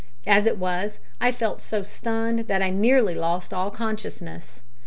As it was, I felt so stunned that I nearly lost consciousness.